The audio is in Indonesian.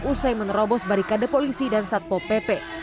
usai menerobos barikade polisi dan satpo pp